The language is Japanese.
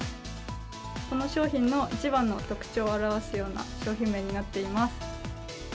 この商品の一番の特徴を表すような商品名になっています。